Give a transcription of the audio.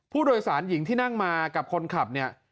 ผู้โดยสารหญิงที่นั่งมากับคนขับเนี่ย